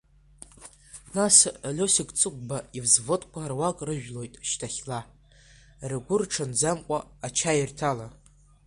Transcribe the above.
Нас Лиосик Цыгәба ивзводқәа руак рыжәлоит шьҭахьла, ргәы рҽанӡамкәа, ачаирҭала.